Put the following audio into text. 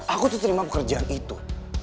aku tuh terima pekerjaan itu